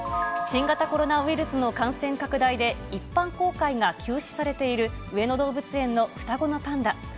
新型コロナウイルスの感染拡大で、一般公開が休止されている、上野動物園の双子のパンダ。